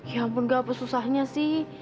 ya ampun gak apa susahnya sih